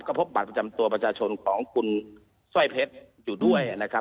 ก็พบบัตรประจำตัวประชาชนของคุณสร้อยเพชรอยู่ด้วยนะครับ